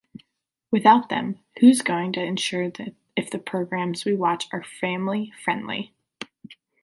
Without them, who's going to ensure if the programs we watch are family-friendly?